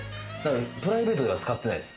プライベートでは使ってないです。